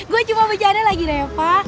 gue cuma bejadah lagi reva